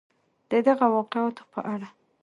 د دغه واقعاتو په اړه